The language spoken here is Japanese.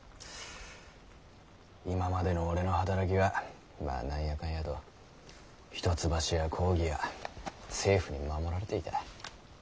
今までの俺の働きはまあ何やかんやと一橋や公儀や政府に守られていた。